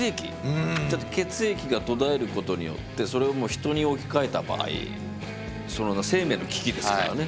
血液が途絶えることによってそれを人に置き換えた場合生命の危機ですからね。